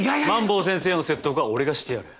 萬坊先生の説得は俺がしてやる。